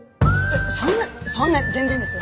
そんなそんな全然です。